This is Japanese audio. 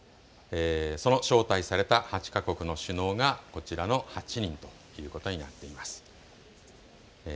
その招待された８か国の首脳がこちらの８人ということになっています。